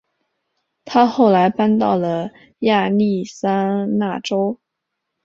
她后来搬到了亚利桑那州。